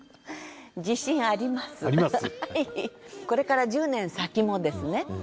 これから１０年先もですね